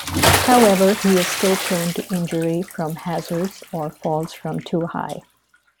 However, he is still prone to injury from hazards or falls from too high.